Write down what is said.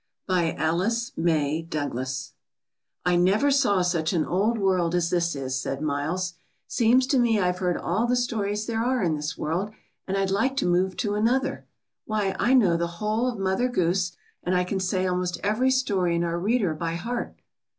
BY ALICE MAY DOUGLAS. 'T never saw such an old world as this is," said Miles. "Seems to me IVe heard all the stories there are in this world, and I^d like to move to another. Why, I know the whole of Mother Goose, and I can say almost every story in our reader by heart."